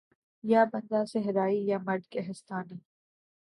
یا بندہ صحرائی یا مرد کہستانی